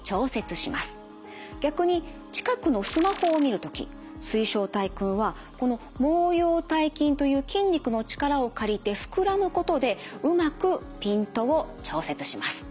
逆に近くのスマホを見る時水晶体くんはこの毛様体筋という筋肉の力を借りて膨らむことでうまくピントを調節します。